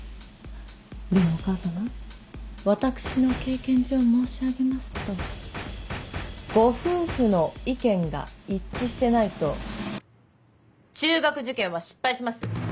でもお母様私の経験上申し上げますとご夫婦の意見が一致してないと中学受験は失敗します。